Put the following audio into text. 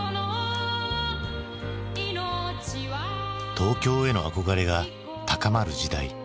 東京への憧れが高まる時代。